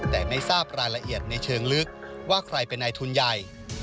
แต่ไม่ทราบรายละเอียดในเชิงลึกว่าใครเป็นนายทุนใหญ่